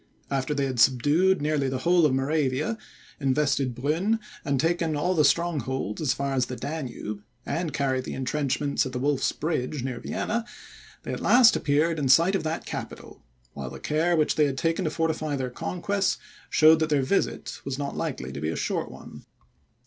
After they had subdued nearly the whole of Moravia, invested Brunn, and taken all the strongholds as far as the Danube, and carried the intrenchments at the Wolf's Bridge, near Vienna, they at last appeared in sight of that capital, while the care which they had taken to fortify their conquests, showed that their visit was not likely to be a short one.